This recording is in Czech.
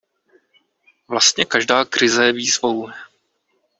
Vlastně každá krize je výzvou.